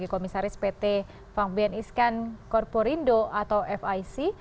bagi komisaris pt fahm bien iskan korporindo atau fic